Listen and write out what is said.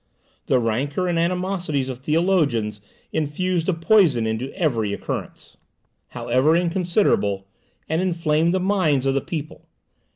The rancour and animosities of theologians infused a poison into every occurrence, however inconsiderable, and inflamed the minds of the people.